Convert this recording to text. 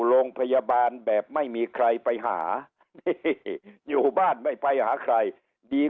โรงพยาบาลแบบไม่มีใครไปหานี่อยู่บ้านไม่ไปหาใครดี